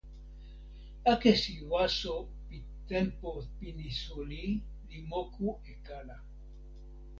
akesi waso pi tenpo pini suli li moku e kala.